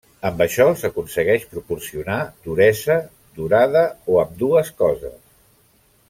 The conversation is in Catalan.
Amb això s'aconsegueix proporcionar duresa, durada, o ambdues coses.